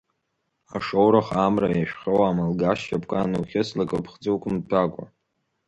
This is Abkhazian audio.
Ашоураха, амра иашәхьоу амалгаш шьапқәа анухьыслак, аԥхӡы уқәымҭәакәа!